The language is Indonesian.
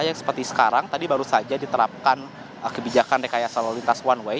yang seperti sekarang tadi baru saja diterapkan kebijakan rekayasa lalu lintas one way